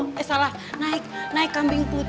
eh salah naik kambing putih